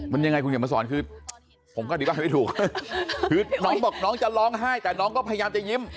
มันยังไงคุณเขียนมาสอนคือผมก็อธิบายไม่ถูกคือน้องบอกน้องจะร้องไห้แต่น้องก็พยายามจะยิ้ม